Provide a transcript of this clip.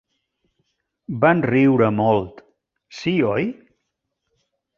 "Van riure molt." "Sí, oi?"